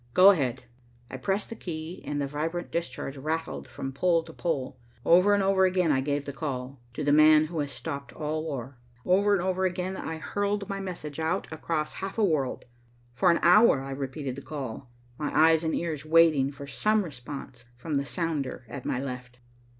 Go ahead." I pressed the key and the vibrant discharge rattled from pole to pole. Over and over again I gave the call. "To the man who has stopped all war." Over and over again I hurled my message out across half a world. For an hour I repeated the call, my eyes and ears waiting for some response from the sounder at my left.